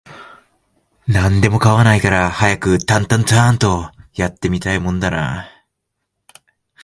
何でも構わないから、早くタンタアーンと、やって見たいもんだなあ